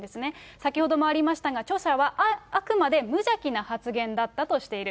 先ほどもありましたが、著者は、あくまで無邪気な発言だったとしている。